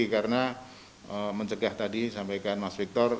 karena mencegah tadi sampaikan mas victor